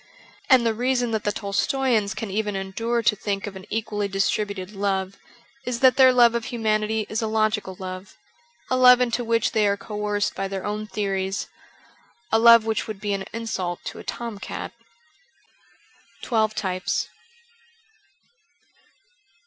And the reason that the Tolstoians can even endure to think of an equally distributed love is that their love of humanity is a logical love, a love into which they are coerced by their own theories, a love which would be an insult to a tom cat. ' Twelve Types.'